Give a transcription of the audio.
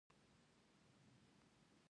احمد ډېر ګرځېدلی انسان دی.